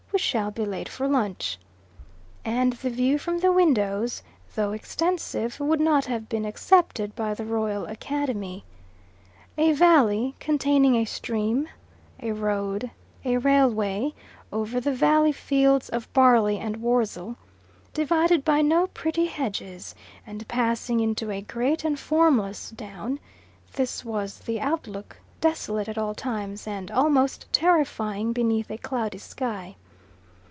We shall be late for lunch." And the view from the windows, though extensive, would not have been accepted by the Royal Academy. A valley, containing a stream, a road, a railway; over the valley fields of barley and wurzel, divided by no pretty hedges, and passing into a great and formless down this was the outlook, desolate at all times, and almost terrifying beneath a cloudy sky.